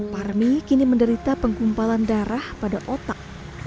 parmi kini menderita penggumpalan darah pada otak